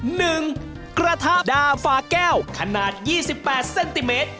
หนึ่งกระทะดาฝากแก้วขนาด๒๘เซนติเมตร